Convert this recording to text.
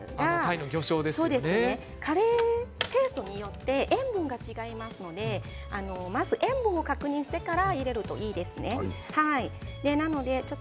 カレーペーストによって塩分が違いますのでまず塩分を確認してから入れるといいですね。